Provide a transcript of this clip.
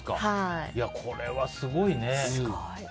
これはすごいね。